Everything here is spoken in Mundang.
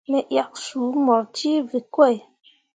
Me yak suu mur ceevǝkoi.